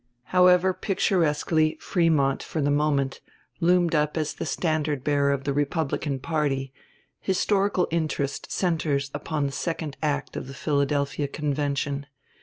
However picturesquely Frémont for the moment loomed up as the standard bearer of the Republican party, historical interest centers upon the second act of the Philadelphia Convention.